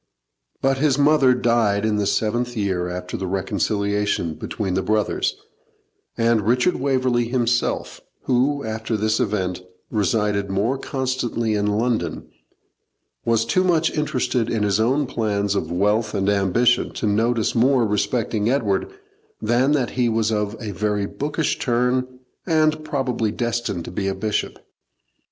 But his mother died in the seventh year after the reconciliation between the brothers, and Richard Waverley himself, who, after this event, resided more constantly in London, was too much interested in his own plans of wealth and ambition to notice more respecting Edward than that he was of a very bookish turn, and probably destined to be a bishop.